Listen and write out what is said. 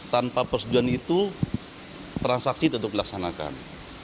tanpa persetujuan itu transaksi tetap dilaksanakan